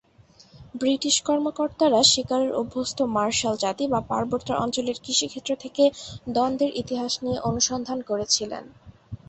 British কর্মকর্তারা শিকারের অভ্যস্ত 'মার্শাল জাতি' বা পার্বত্য অঞ্চলের কৃষিক্ষেত্র থেকে দ্বন্দ্বের ইতিহাস নিয়ে অনুসন্ধান করেছিলেন।